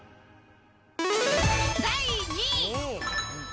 第２位。